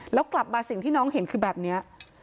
แล้วกลับมาสิ่งที่น้องเห็นคือแบบนี้